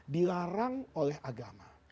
dilarang oleh agama